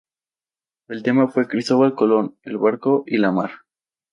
El tema fue:Cristóbal Colón, el barco y la mar.